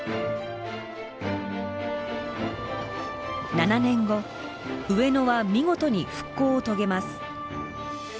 ７年後上野は見事に復興を遂げます。